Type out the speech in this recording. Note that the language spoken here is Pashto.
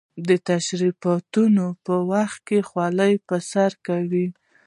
د تشریفاتو په وخت کې خولۍ پر سر کوي.